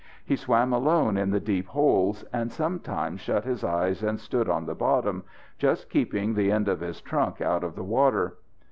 He swam alone in the deep holes, and sometimes shut his eyes and stood on the bottom, just keeping the end of his trunk out of the water.